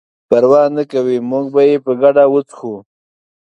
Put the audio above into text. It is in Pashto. پروا نه کوي موږ به یې په ګډه وڅښو.